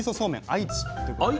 愛知ということで。